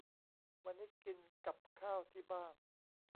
วันนี้กินกับข้าวที่บ้าน